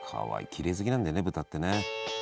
きれい好きなんだよね豚ってね。